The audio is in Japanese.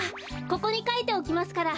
ここにかいておきますから。